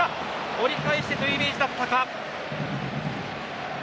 折り返してというイメージだったか。